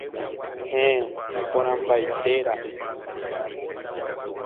Heẽ iporãmbaitera'e.